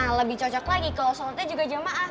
nah lebih cocok lagi kalau sholatnya juga jamaah